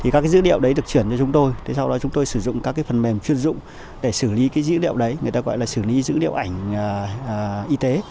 các dữ liệu được chuyển cho chúng tôi sau đó chúng tôi sử dụng các phần mềm chuyên dụng để xử lý dữ liệu ảnh y tế